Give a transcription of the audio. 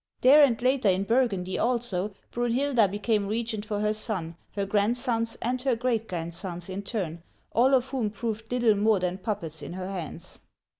There, and later in Burgundy also, Brunhilda became regent for her son, her grandsons, and her great grandsons in turn, all of whom proved little more than puppets in her hands.